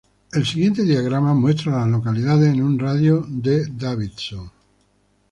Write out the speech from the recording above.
El siguiente diagrama muestra a las localidades en un radio de de Davidson.